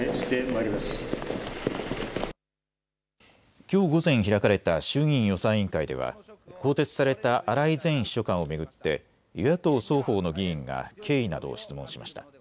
きょう午前開かれた衆議院予算委員会では更迭された荒井前秘書官を巡って与野党双方の議員が経緯などを質問しました。